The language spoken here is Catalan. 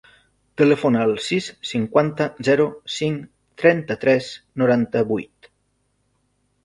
Telefona al sis, cinquanta, zero, cinc, trenta-tres, noranta-vuit.